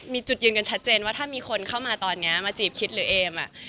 มีจุดยืนกันชัดเจนว่าถ้ามีคนเข้ามาตอนนี้มาจีบคิดหรือเอม